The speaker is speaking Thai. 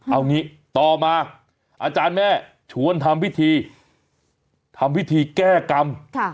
เอางี้ต่อมาอาจารย์แม่ชวนทำพิธีทำพิธีแก้กรรม